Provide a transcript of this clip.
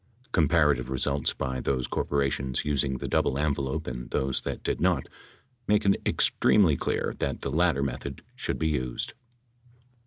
Comparative results by those corporations using the double envelope and those that did not make it ex tremely clear that the latter method should be used.